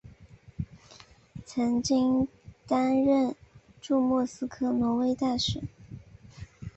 曾经担任驻莫斯科挪威大使。